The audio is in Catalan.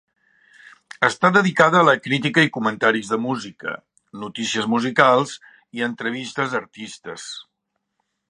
Està dedicada a la crítica i comentaris de música, notícies musicals i entrevistes a artistes.